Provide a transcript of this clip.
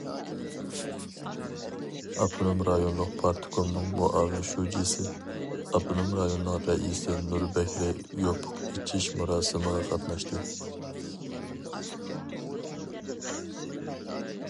ئاپتونوم رايونلۇق پارتكومنىڭ مۇئاۋىن شۇجىسى، ئاپتونوم رايوننىڭ رەئىسى نۇر بەكرى يوپۇق ئېچىش مۇراسىمىغا قاتناشتى.